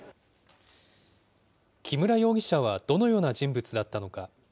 木村容疑者はどのような人物だったのか。